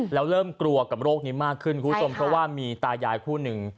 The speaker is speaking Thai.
แล้วเริ่มกลัวกับโรคนี้มากขึ้นคุณผู้ชมเพราะว่ามีตายายคู่หนึ่ง